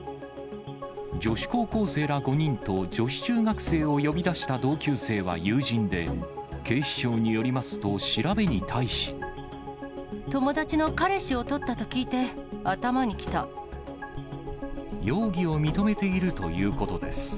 女子高校生ら５人と女子中学生を呼び出した同級生は友人で、警視庁によりますと、調べに対し。友達の彼氏を取ったと聞いて、容疑を認めているということです。